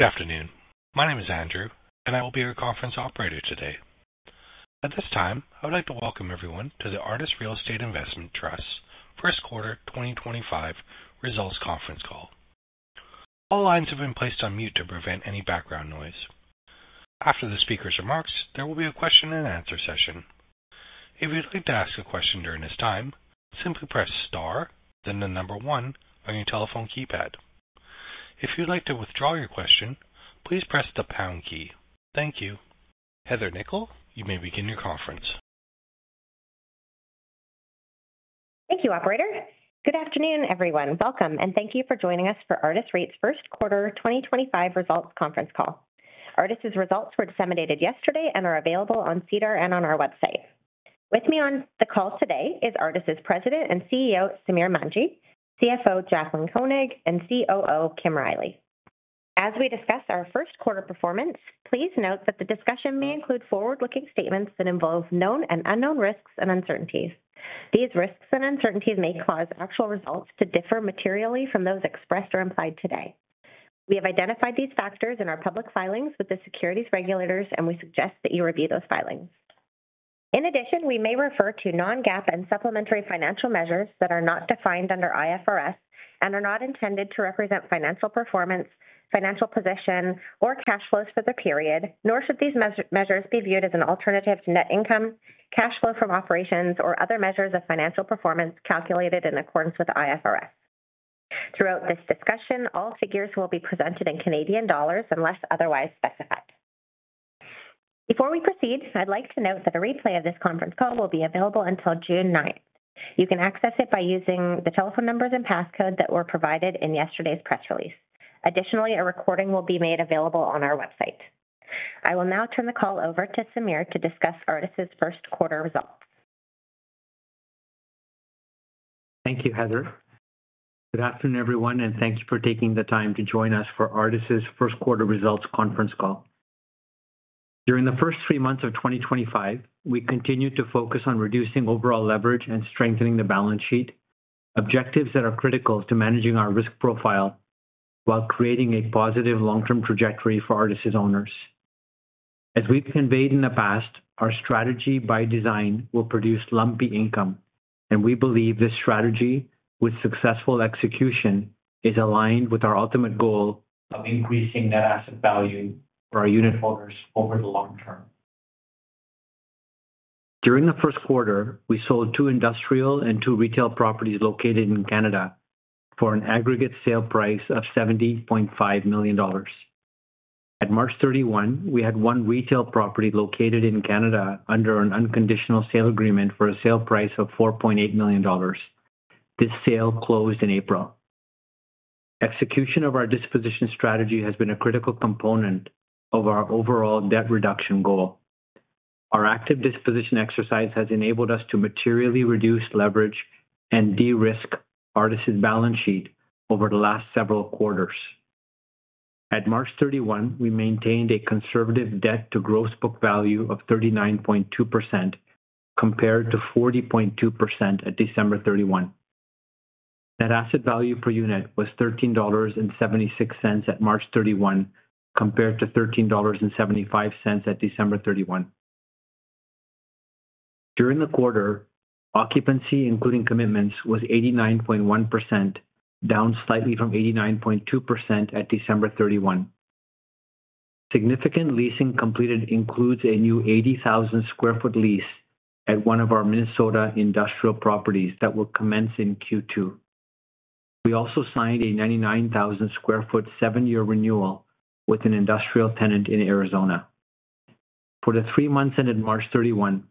Good afternoon. My name is Andrew, and I will be your conference operator today. At this time, I would like to welcome everyone to the Artis Real Estate Investment Trust's First Quarter 2025 Results Conference Call. All lines have been placed on mute to prevent any background noise. After the speaker's remarks, there will be a question-and-answer session. If you'd like to ask a question during this time, simply press star, then the number one on your telephone keypad. If you'd like to withdraw your question, please press the pound key. Thank you. Heather Nikkel, you may begin your conference. Thank you, operator. Good afternoon, everyone. Welcome, and thank you for joining us for Artis REIT's First Quarter 2025 Results Conference Call. Artis's results were disseminated yesterday and are available on SEDAR and on our website. With me on the call today is Artis's President and CEO, Samir Manji, CFO, Jaclyn Koenig, and COO, Kim Riley. As we discuss our first quarter performance, please note that the discussion may include forward-looking statements that involve known and unknown risks and uncertainties. These risks and uncertainties may cause actual results to differ materially from those expressed or implied today. We have identified these factors in our public filings with the securities regulators, and we suggest that you review those filings. In addition, we may refer to non-GAAP and supplementary financial measures that are not defined under IFRS and are not intended to represent financial performance, financial position, or cash flows for the period, nor should these measures be viewed as an alternative to net income, cash flow from operations, or other measures of financial performance calculated in accordance with IFRS. Throughout this discussion, all figures will be presented in CAD unless otherwise specified. Before we proceed, I'd like to note that a replay of this conference call will be available until June 9th. You can access it by using the telephone numbers and passcode that were provided in yesterday's press release. Additionally, a recording will be made available on our website. I will now turn the call over to Samir to discuss Artis's first quarter results. Thank you, Heather. Good afternoon, everyone, and thank you for taking the time to join us for Artis's first quarter results conference call. During the first three months of 2025, we continue to focus on reducing overall leverage and strengthening the balance sheet, objectives that are critical to managing our risk profile while creating a positive long-term trajectory for Artis's owners. As we've conveyed in the past, our strategy by design will produce lumpy income, and we believe this strategy, with successful execution, is aligned with our ultimate goal of increasing net asset value for our unit holders over the long term. During the first quarter, we sold two industrial and two retail properties located in Canada for an aggregate sale price of 70.5 million dollars. At March 31, we had one retail property located in Canada under an unconditional sale agreement for a sale price of 4.8 million dollars. This sale closed in April. Execution of our disposition strategy has been a critical component of our overall debt reduction goal. Our active disposition exercise has enabled us to materially reduce leverage and de-risk Artis's balance sheet over the last several quarters. At March 31, we maintained a conservative debt-to-gross book value of 39.2% compared to 40.2% at December 31. Net asset value per unit was 13.76 dollars at March 31 compared to 13.75 dollars at December 31. During the quarter, occupancy, including commitments, was 89.1%, down slightly from 89.2% at December 31. Significant leasing completed includes a new 80,000 sq ft lease at one of our Minnesota industrial properties that will commence in Q2. We also signed a 99,000 sq ft seven-year renewal with an industrial tenant in Arizona. For the three months ended March 31,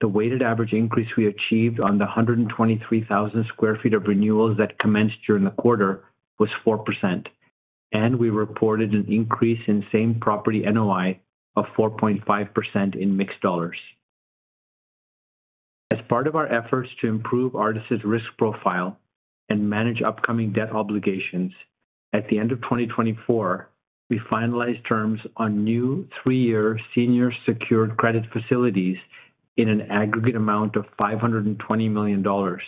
the weighted average increase we achieved on the 123,000 sq ft of renewals that commenced during the quarter was 4%, and we reported an increase in same property NOI of 4.5% in mixed dollars. As part of our efforts to improve Artis's risk profile and manage upcoming debt obligations, at the end of 2024, we finalized terms on new three-year senior secured credit facilities in an aggregate amount of 520 million dollars.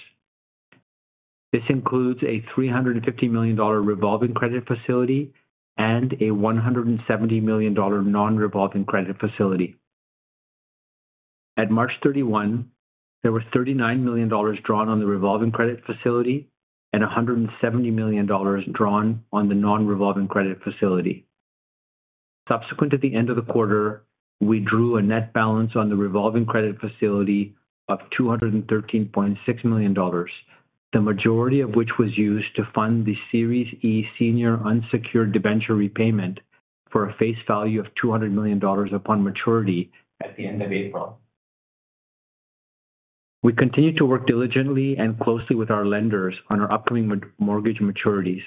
This includes a 350 million dollar revolving credit facility and a 170 million dollar non-revolving credit facility. At March 31, there were 39 million dollars drawn on the revolving credit facility and 170 million dollars drawn on the non-revolving credit facility. Subsequent to the end of the quarter, we drew a net balance on the revolving credit facility of 213.6 million dollars, the majority of which was used to fund the Series E Senior Unsecured Debenture Repayment for a face value of 200 million dollars upon maturity at the end of April. We continue to work diligently and closely with our lenders on our upcoming mortgage maturities.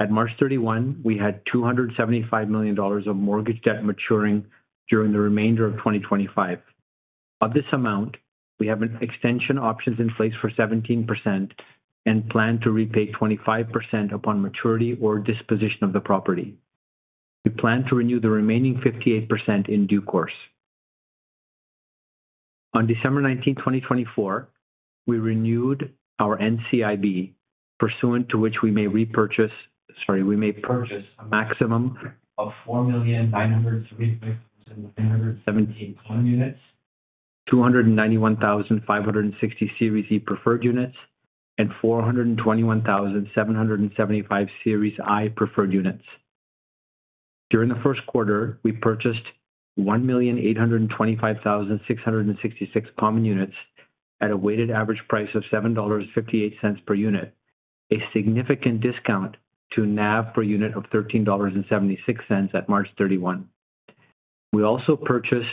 At March 31, we had 275 million dollars of mortgage debt maturing during the remainder of 2025. Of this amount, we have extension options in place for 17% and plan to repay 25% upon maturity or disposition of the property. We plan to renew the remaining 58% in due course. On December 19, 2024, we renewed our NCIB, pursuant to which we may repurchase, sorry, we may purchase a maximum of 4,935,917 home units, 291,560 Series E preferred units, and 421,775 Series I preferred units. During the first quarter, we purchased 1,825,666 common units at a weighted average price of $7.58 per unit, a significant discount to NAV per unit of $13.76 at March 31. We also purchased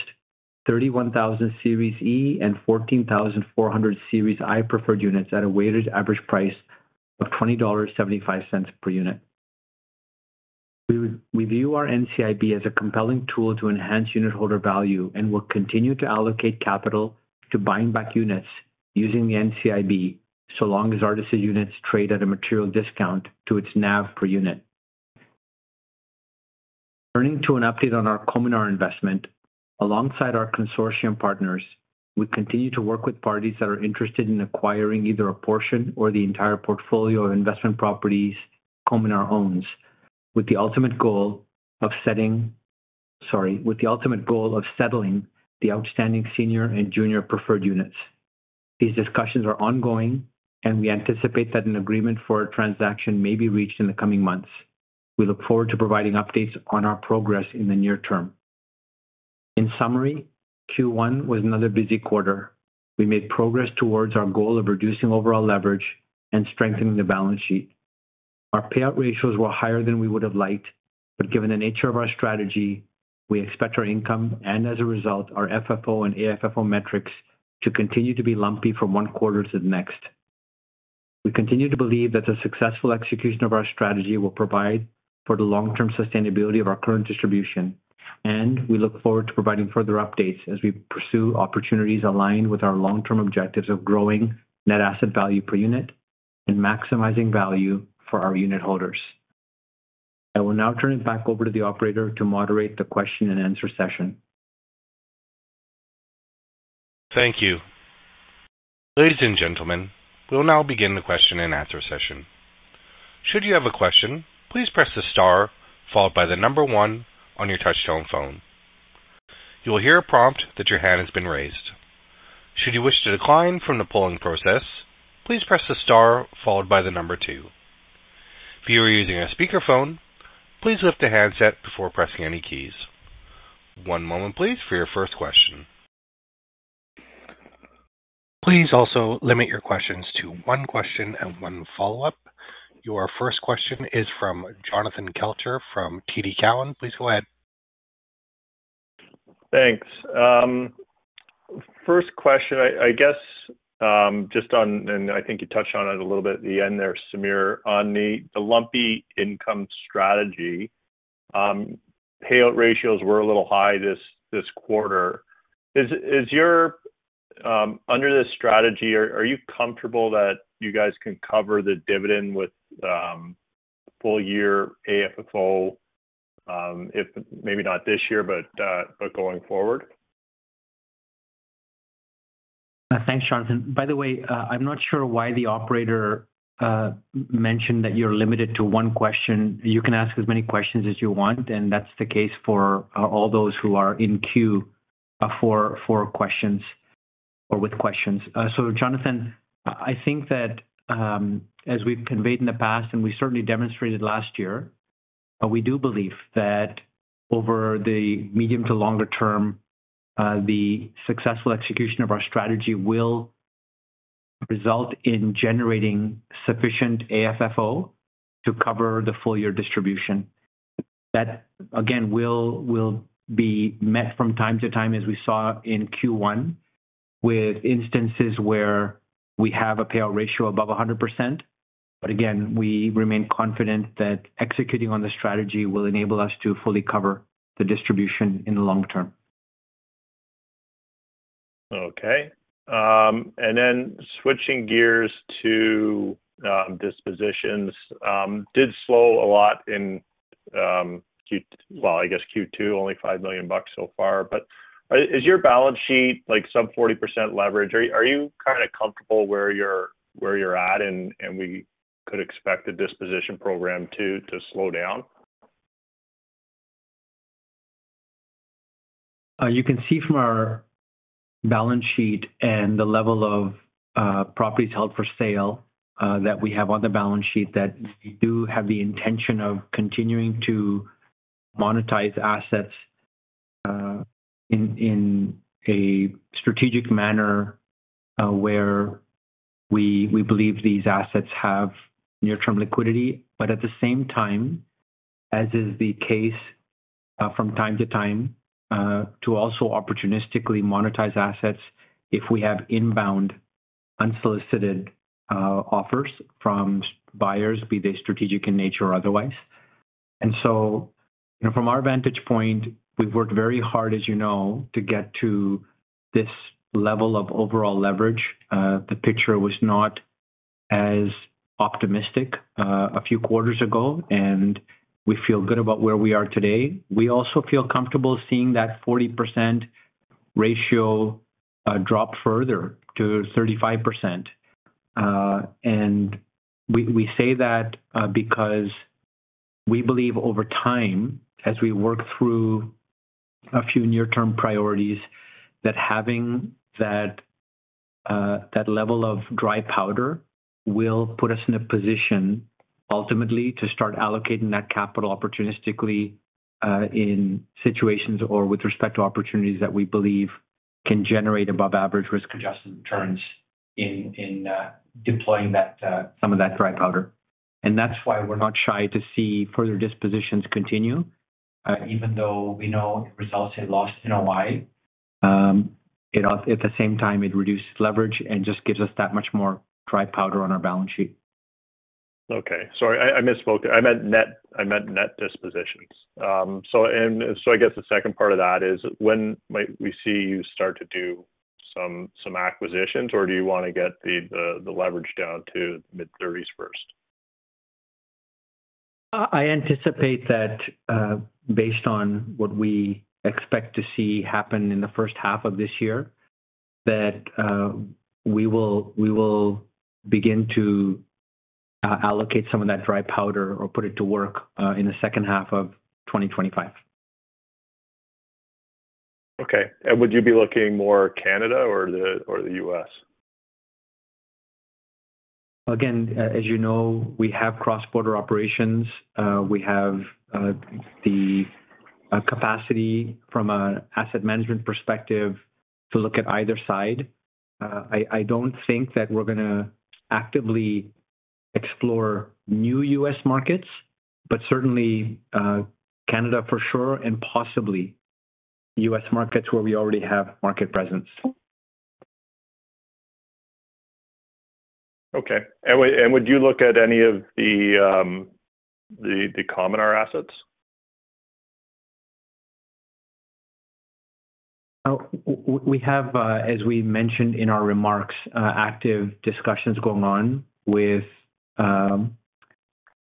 31,000 Series E and 14,400 Series I preferred units at a weighted average price of $20.75 per unit. We view our NCIB as a compelling tool to enhance unitholder value and will continue to allocate capital to buying back units using the NCIB so long as Artis's units trade at a material discount to its NAV per unit. Turning to an update on our CommonR investment, alongside our consortium partners, we continue to work with parties that are interested in acquiring either a portion or the entire portfolio of investment properties CommonR owns, with the ultimate goal of setting, sorry, with the ultimate goal of settling the outstanding senior and junior preferred units. These discussions are ongoing, and we anticipate that an agreement for a transaction may be reached in the coming months. We look forward to providing updates on our progress in the near term. In summary, Q1 was another busy quarter. We made progress towards our goal of reducing overall leverage and strengthening the balance sheet. Our payout ratios were higher than we would have liked, but given the nature of our strategy, we expect our income and, as a result, our FFO and AFFO metrics to continue to be lumpy from one quarter to the next. We continue to believe that the successful execution of our strategy will provide for the long-term sustainability of our current distribution, and we look forward to providing further updates as we pursue opportunities aligned with our long-term objectives of growing net asset value per unit and maximizing value for our unit holders. I will now turn it back over to the operator to moderate the question and answer session. Thank you. Ladies and gentlemen, we'll now begin the question and answer session. Should you have a question, please press the star followed by the number one on your touch-tone phone. You will hear a prompt that your hand has been raised. Should you wish to decline from the polling process, please press the star followed by the number two. If you are using a speakerphone, please lift the handset before pressing any keys. One moment, please, for your first question. Please also limit your questions to one question and one follow-up. Your first question is from Jonathan Kelcher from TD Cowen. Please go ahead. Thanks. First question, I guess just on, and I think you touched on it a little bit at the end there, Samir, on the lumpy income strategy, payout ratios were a little high this quarter. Under this strategy, are you comfortable that you guys can cover the dividend with full-year AFFO, if maybe not this year, but going forward? Thanks, Jonathan. By the way, I'm not sure why the operator mentioned that you're limited to one question. You can ask as many questions as you want, and that's the case for all those who are in queue for questions or with questions. Jonathan, I think that as we've conveyed in the past, and we certainly demonstrated last year, we do believe that over the medium to longer term, the successful execution of our strategy will result in generating sufficient AFFO to cover the full-year distribution. That, again, will be met from time to time, as we saw in Q1, with instances where we have a payout ratio above 100%. Again, we remain confident that executing on the strategy will enable us to fully cover the distribution in the long term. Okay. Then switching gears to dispositions, did slow a lot in, I guess, Q2, only 5 million bucks so far. Is your balance sheet sub 40% leverage? Are you kind of comfortable where you're at, and we could expect a disposition program to slow down? You can see from our balance sheet and the level of properties held for sale that we have on the balance sheet that we do have the intention of continuing to monetize assets in a strategic manner where we believe these assets have near-term liquidity. At the same time, as is the case from time to time, to also opportunistically monetize assets if we have inbound unsolicited offers from buyers, be they strategic in nature or otherwise. From our vantage point, we've worked very hard, as you know, to get to this level of overall leverage. The picture was not as optimistic a few quarters ago, and we feel good about where we are today. We also feel comfortable seeing that 40% ratio drop further to 35%. We say that because we believe over time, as we work through a few near-term priorities, that having that level of dry powder will put us in a position ultimately to start allocating that capital opportunistically in situations or with respect to opportunities that we believe can generate above-average risk-adjusted returns in deploying some of that dry powder. That is why we are not shy to see further dispositions continue, even though we know it results in lost NOI. At the same time, it reduces leverage and just gives us that much more dry powder on our balance sheet. Okay. Sorry, I misspoke. I meant net dispositions. I guess the second part of that is, when might we see you start to do some acquisitions, or do you want to get the leverage down to mid-30% first? I anticipate that based on what we expect to see happen in the first half of this year, that we will begin to allocate some of that dry powder or put it to work in the second half of 2025. Okay. Would you be looking more Canada or the U.S.? Again, as you know, we have cross-border operations. We have the capacity from an asset management perspective to look at either side. I do not think that we are going to actively explore new U.S. markets, but certainly Canada for sure and possibly U.S. markets where we already have market presence. Okay. Would you look at any of the CommonR assets? We have, as we mentioned in our remarks, active discussions going on with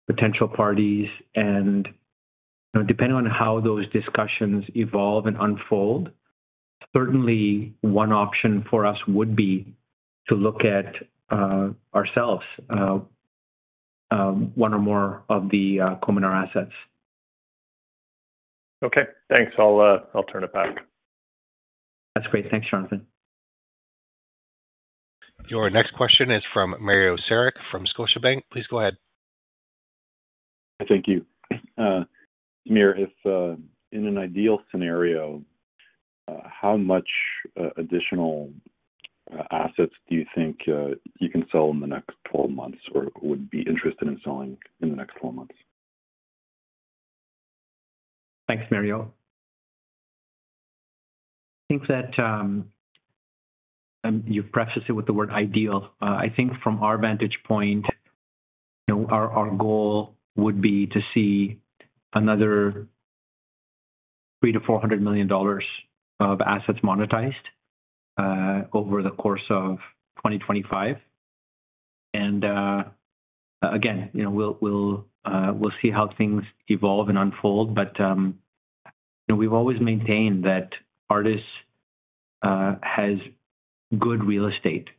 potential parties. Depending on how those discussions evolve and unfold, certainly one option for us would be to look at ourselves one or more of the CommonR assets. Okay. Thanks. I'll turn it back. That's great. Thanks, Jonathan. Your next question is from Mario Saric from Scotiabank. Please go ahead. Thank you. Samir, if in an ideal scenario, how much additional assets do you think you can sell in the next 12 months or would be interested in selling in the next 12 months? Thanks, Mario. I think that you prefaced it with the word ideal. I think from our vantage point, our goal would be to see another 300 million-400 million dollars of assets monetized over the course of 2025. Again, we'll see how things evolve and unfold. We've always maintained that Artis has good real estate.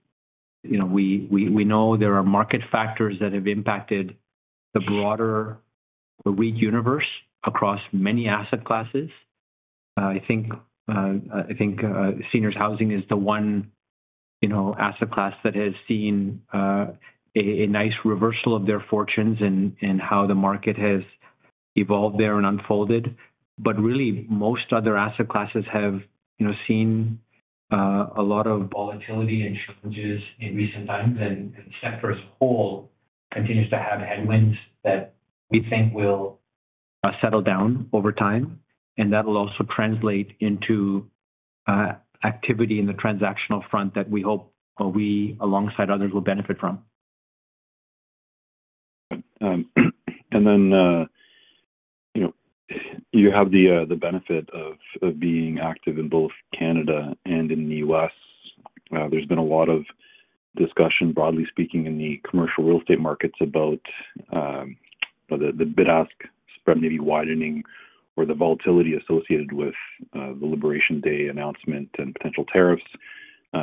We know there are market factors that have impacted the broader REIT universe across many asset classes. I think seniors' housing is the one asset class that has seen a nice reversal of their fortunes and how the market has evolved there and unfolded. Really, most other asset classes have seen a lot of volatility and changes in recent times, and the sector as a whole continues to have headwinds that we think will settle down over time. That will also translate into activity in the transactional front that we hope we, alongside others, will benefit from. You have the benefit of being active in both Canada and in the U.S. There's been a lot of discussion, broadly speaking, in the commercial real estate markets about the bid-ask spread maybe widening or the volatility associated with the Liberation Day announcement and potential tariffs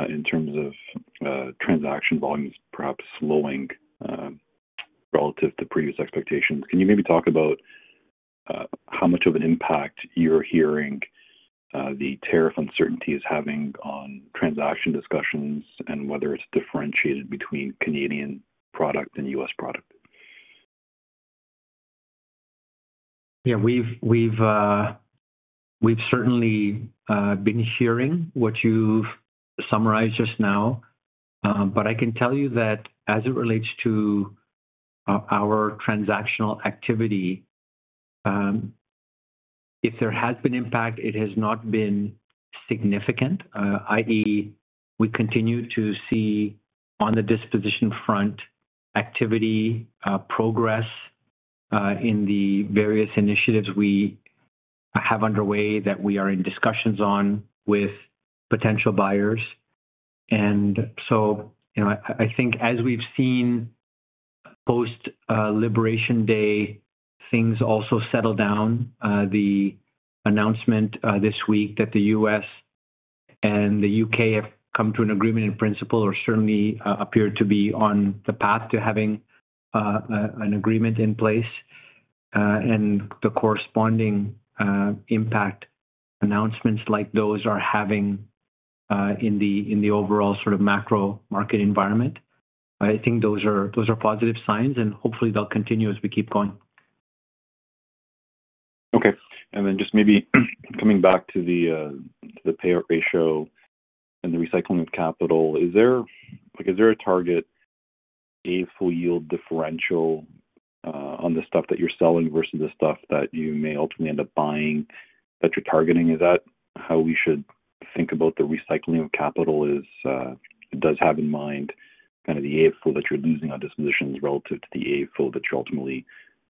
in terms of transaction volumes perhaps slowing relative to previous expectations. Can you maybe talk about how much of an impact you're hearing the tariff uncertainty is having on transaction discussions and whether it's differentiated between Canadian product and U.S. product? Yeah. We've certainly been hearing what you've summarized just now. I can tell you that as it relates to our transactional activity, if there has been impact, it has not been significant, i.e., we continue to see on the disposition front activity progress in the various initiatives we have underway that we are in discussions on with potential buyers. I think as we've seen post-Liberation Day things also settle down, the announcement this week that the U.S. and the U.K. have come to an agreement in principle or certainly appear to be on the path to having an agreement in place and the corresponding impact announcements like those are having in the overall sort of macro market environment, I think those are positive signs, and hopefully they'll continue as we keep going. Okay. Just maybe coming back to the payout ratio and the recycling of capital, is there a target, a full yield differential on the stuff that you're selling versus the stuff that you may ultimately end up buying that you're targeting? Is that how we should think about the recycling of capital? It does have in mind kind of the AFFO that you're losing on dispositions relative to the AFFO that you're ultimately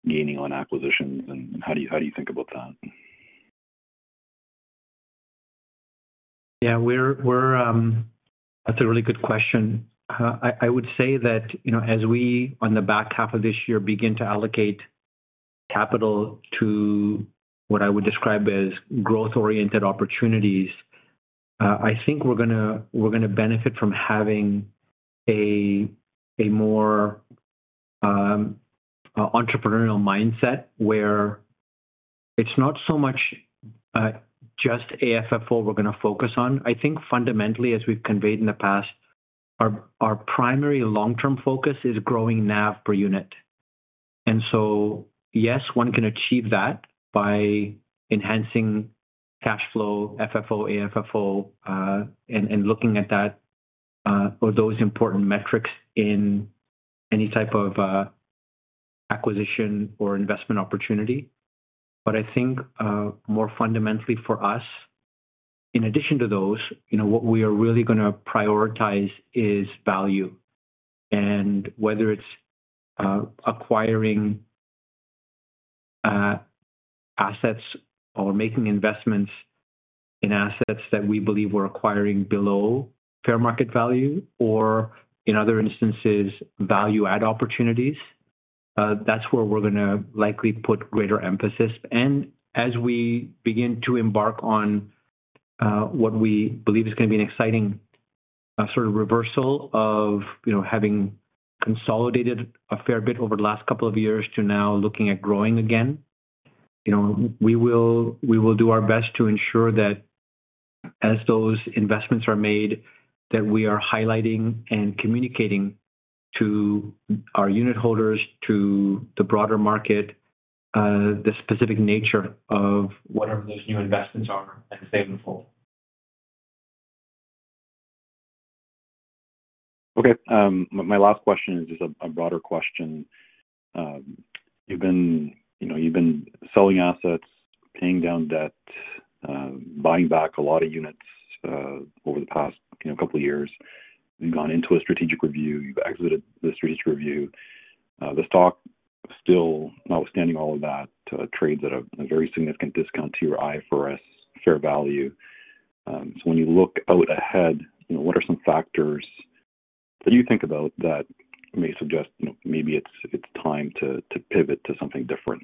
gaining on acquisitions. How do you think about that? Yeah. That's a really good question. I would say that as we, on the back half of this year, begin to allocate capital to what I would describe as growth-oriented opportunities, I think we're going to benefit from having a more entrepreneurial mindset where it's not so much just AFFO we're going to focus on. I think fundamentally, as we've conveyed in the past, our primary long-term focus is growing NAV per unit. Yes, one can achieve that by enhancing cash flow, FFO, AFFO, and looking at that or those important metrics in any type of acquisition or investment opportunity. I think more fundamentally for us, in addition to those, what we are really going to prioritize is value. Whether it is acquiring assets or making investments in assets that we believe we are acquiring below fair market value or, in other instances, value-add opportunities, that is where we are going to likely put greater emphasis. As we begin to embark on what we believe is going to be an exciting sort of reversal of having consolidated a fair bit over the last couple of years to now looking at growing again, we will do our best to ensure that as those investments are made, we are highlighting and communicating to our unit holders, to the broader market, the specific nature of whatever those new investments are and staying in full. Okay. My last question is a broader question. You've been selling assets, paying down debt, buying back a lot of units over the past couple of years. You've gone into a strategic review. You've exited the strategic review. The stock still, notwithstanding all of that, trades at a very significant discount to your IFRS fair value. When you look out ahead, what are some factors that you think about that may suggest maybe it's time to pivot to something different?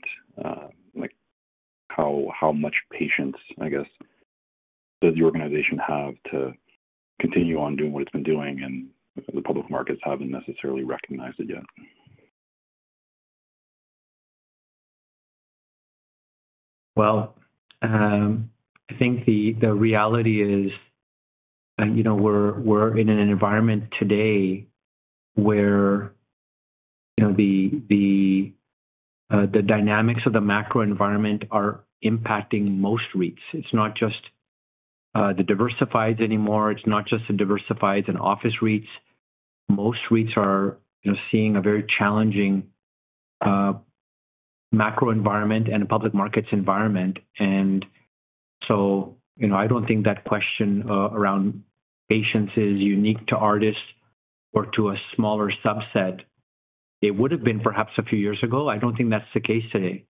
How much patience, I guess, does the organization have to continue on doing what it's been doing, and the public markets haven't necessarily recognized it yet? I think the reality is we're in an environment today where the dynamics of the macro environment are impacting most REITs. It's not just the diversifieds anymore. It's not just the diversifieds and office REITs. Most REITs are seeing a very challenging macro environment and a public markets environment. I don't think that question around patience is unique to Artis or to a smaller subset. It would have been perhaps a few years ago. I don't think that's the case today.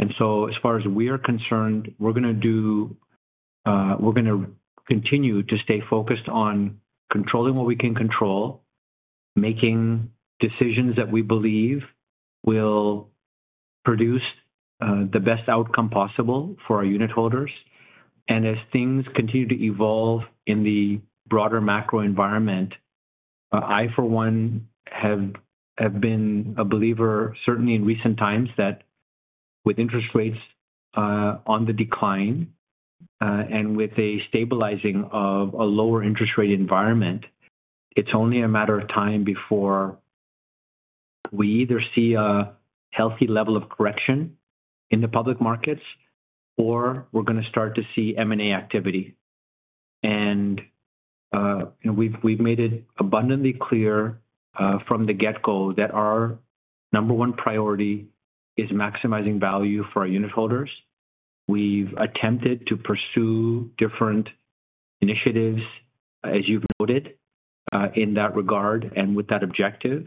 As far as we are concerned, we're going to continue to stay focused on controlling what we can control, making decisions that we believe will produce the best outcome possible for our unit holders. As things continue to evolve in the broader macro environment, I, for one, have been a believer, certainly in recent times, that with interest rates on the decline and with a stabilizing of a lower interest rate environment, it's only a matter of time before we either see a healthy level of correction in the public markets or we're going to start to see M&A activity. We have made it abundantly clear from the get-go that our number one priority is maximizing value for our unit holders. We have attempted to pursue different initiatives, as you have noted, in that regard. With that objective,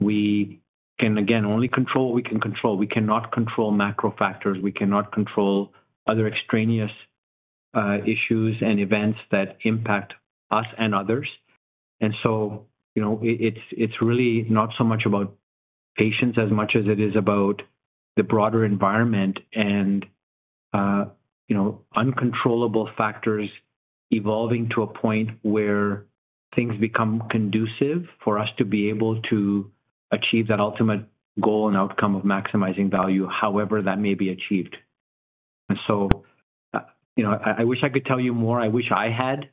we can, again, only control what we can control. We cannot control macro factors. We cannot control other extraneous issues and events that impact us and others. It is really not so much about patience as much as it is about the broader environment and uncontrollable factors evolving to a point where things become conducive for us to be able to achieve that ultimate goal and outcome of maximizing value, however that may be achieved. I wish I could tell you more. I wish I had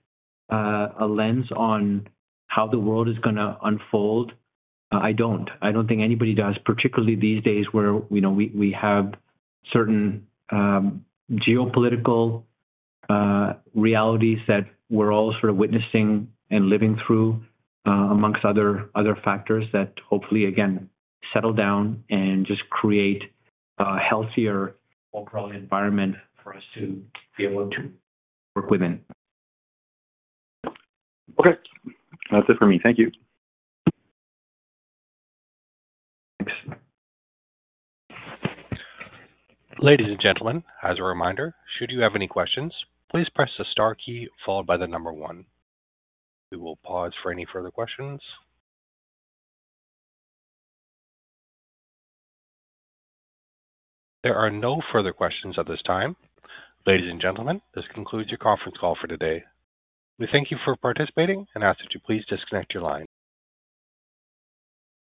a lens on how the world is going to unfold. I do not. I do not think anybody does, particularly these days where we have certain geopolitical realities that we are all sort of witnessing and living through amongst other factors that hopefully, again, settle down and just create a healthier overall environment for us to be able to work within. Okay. That's it for me. Thank you. Thanks. Ladies and gentlemen, as a reminder, should you have any questions, please press the star key followed by the number one. We will pause for any further questions. There are no further questions at this time. Ladies and gentlemen, this concludes your conference call for today. We thank you for participating and ask that you please disconnect your line.